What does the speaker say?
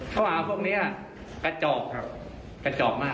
ข้อหาพวกนี้กระจอกครับกระจอกมาก